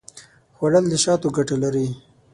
خوړل د شاتو ګټه لري